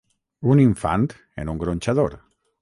Un infant en un gronxador.